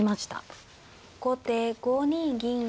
後手５二銀。